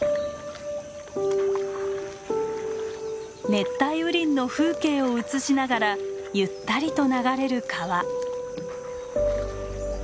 熱帯雨林の風景を映しながらゆったりと流れる川。